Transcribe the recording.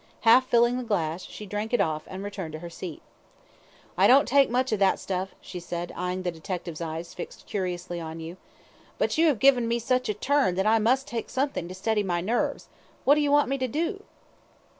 Half filling the glass, she drank it off, and returned to her seat. "I don't take much of that stuff," she said, seeing the detective's eyes fixed curiously on her, "but you 'ave given me such a turn that I must take something to steady my nerves; what do you want me to do?"